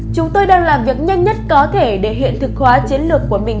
chúng tôi đang làm việc nhanh nhất có thể để hiện thực hóa chiến lược của mình